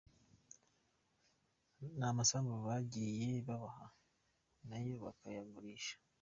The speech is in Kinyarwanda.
N’amasambu bagiye babaha na yo bakayagurisha.